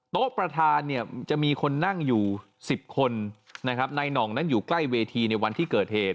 ประธานเนี่ยจะมีคนนั่งอยู่๑๐คนนะครับนายหน่องนั้นอยู่ใกล้เวทีในวันที่เกิดเหตุ